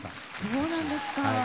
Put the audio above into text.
そうなんですか。